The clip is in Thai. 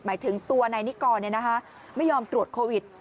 หมายถึงตัวนายนิกรไม่ยอมตรวจโควิด